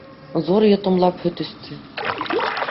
Ҙур йотомлап һөт эсте.